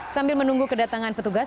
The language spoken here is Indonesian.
sambil menunggu kedatangan petugas